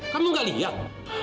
kamu gak lihat